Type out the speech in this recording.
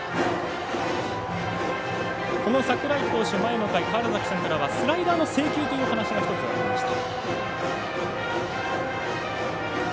この櫻井投手、前の回川原崎さんからはスライダーの制球という話がありました。